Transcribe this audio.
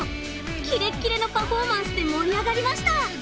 キレッキレのパフォーマンスでもりあがりました！